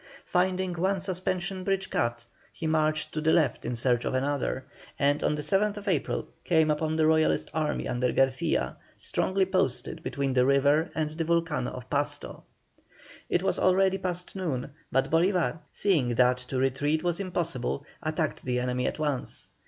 Finding one suspension bridge cut, he marched to the left in search of another, and on the 7th April came upon the Royalist army under Garcia, strongly posted between the river and the volcano of Pasto. It was already past noon, but Bolívar seeing that to retreat was impossible, attacked the enemy at once.